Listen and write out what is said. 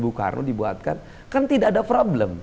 bukarno dibuatkan kan tidak ada problem